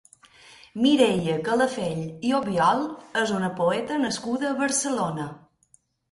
Mireia Calafell i Obiol és una poeta nascuda a Barcelona.